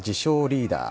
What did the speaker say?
リーダー